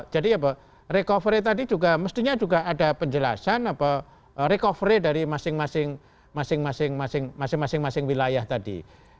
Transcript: jadi apa recovery tadi juga mestinya juga ada penjelasan apa recovery dari masing masing wilayah tadi